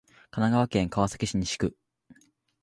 神奈川県川崎市西区